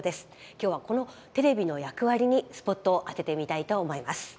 今日はこのテレビの役割にスポットを当ててみたいと思います。